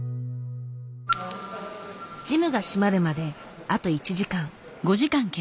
ジムが閉まるまであと１時間。